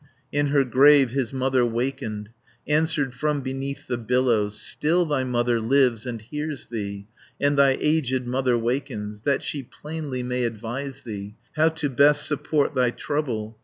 In her grave his mother wakened, 220 Answered from beneath the billows: "Still thy mother lives and hears thee, And thy aged mother wakens, That she plainly may advise thee. How to best support thy trouble.